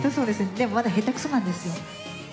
でも、まだ下手くそなんですよ。